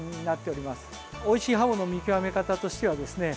おいしいハモの見極め方としてはですね